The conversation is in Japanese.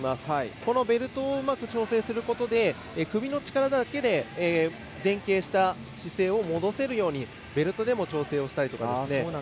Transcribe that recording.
このベルトをうまく調整することで首の力だけで、前傾した姿勢に戻せるようにベルトでも調整しています。